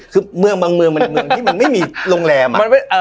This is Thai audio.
คือเมืองบางเมืองมันเป็นเมืองที่มันไม่มีโรงแรมมันเป็นเอ่อ